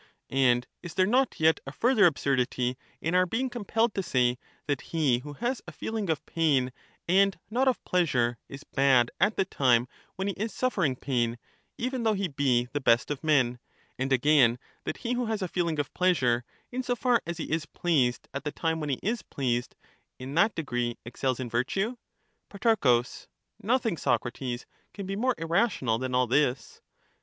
— and is there not yet a further absurdity in our being com pelled to say that he who has a feeling of pain and not of pleasure is bad at the time when he is suffering pain, even though he be the best of men ; and again, that he who has a feeling of pleasure, in so far as he is pleased at the time when he is pleased, in that degree excels in virtue ? Pro. Nothing, Socrates, can be more irrational than all this.